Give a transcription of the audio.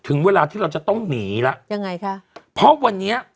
ถึงเวลาที่เราจะต้องหนีแล้วยังไงคะเพราะวันนี้